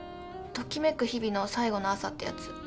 『ときめく日々の最後の朝』ってやつ。